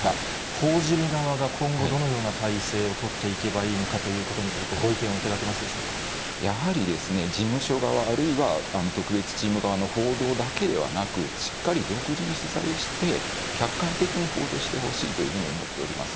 報じる側が今後、どのような態勢を取っていけばいいのかということについて、やはり事務所側、あるいは特別チーム側の報道だけではなく、しっかり独自に取材をして、客観的に報道してほしいというふうに思っております。